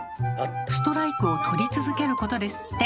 ストライクを取り続けることですって。